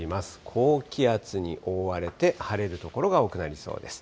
高気圧に覆われて、晴れる所が多くなりそうです。